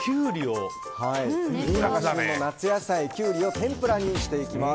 今が旬の夏野菜、キュウリを天ぷらにしていきます。